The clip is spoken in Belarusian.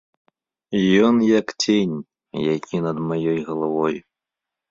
Ён як цень, які над маёй галавой.